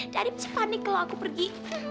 dadi pasti panik kalau aku pergi